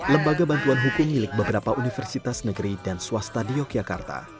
lembaga bantuan hukum milik beberapa universitas negeri dan swasta di yogyakarta